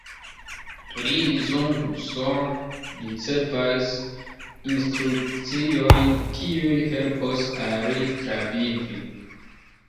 Lee Jung-soo ricevas instrukciojn kiuj helpos al li travivi.